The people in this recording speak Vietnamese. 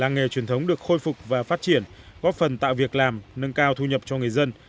góp phần tạo việc làm nâng cao thu nhập cho người dân